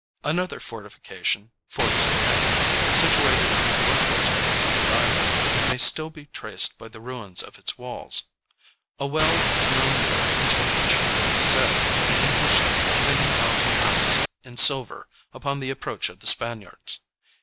Another fortification, Fort St. Andrew, situated on the north west point of the island, may still be traced by the ruins of its walls. A well is known there into which, it is said, the English threw ten thousand pounds in silver upon the approach of the Spaniards.